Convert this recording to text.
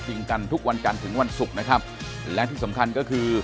จริงกันทุกวันกันถึงวันศุกร์นะครับและที่สำคัญก็คือ